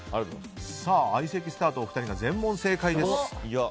相席スタートのお二人が全問正解です。